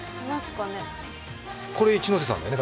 これ一ノ瀬さんだよね。